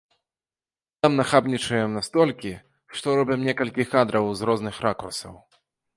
Там нахабнічаем настолькі, што робім некалькі кадраў з розных ракурсаў.